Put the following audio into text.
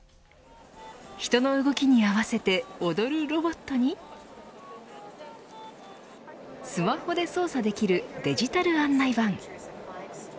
人の動きに合わせて踊るロボットにスマホで操作できるデジタル案内板。